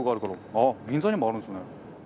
あっ銀座にもあるんですね。